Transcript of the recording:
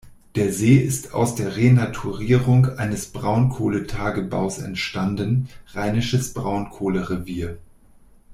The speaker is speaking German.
Der See ist aus der Renaturierung eines Braunkohletagebaus entstanden Rheinisches Braunkohlerevier.